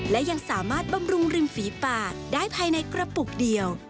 และยังสามารถบำรุงริมฝีปากได้ภายในกระปุกเดียว